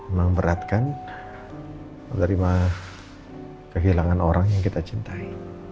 emang berat kan menerima kehilangan orang yang kita cintai